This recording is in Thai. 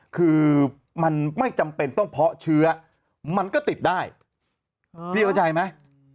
คือมันไม่จำเป็นต้องเพาะเชื้อมันก็ติดได้พี่เข้าใจไหม